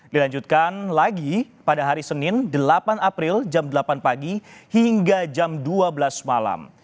dilanjutkan lagi pada hari senin delapan april jam delapan pagi hingga jam dua belas malam